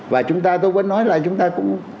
và chúng ta tôi vẫn nói là chúng ta cũng